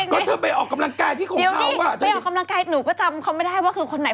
ก็เธอไปออกกำลังกายที่ของเขาอ่ะเธอไปออกกำลังกายหนูก็จำเขาไม่ได้ว่าคือคนไหน